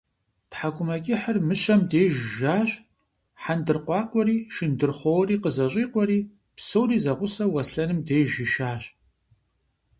ТхьэкӀумэкӀыхьыр Мыщэм деж жащ, хьэндыркъуакъуэри, шындырхъуори къызэщӀикъуэри, псори зэгъусэу, Аслъэным деж ишащ.